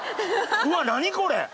うわっ何これ。